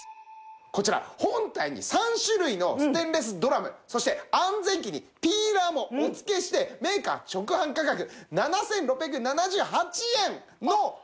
こちら本体に３種類のステンレスドラムそして安全器にピーラーもお付けしてメーカー直販価格７６７８円のところ。